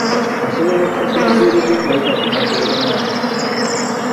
Osobola okusasula bbiiru zo ng'oyita ku mobile money.